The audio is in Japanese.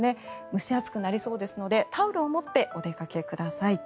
蒸し暑くなりそうですのでタオルを持ってお出かけください。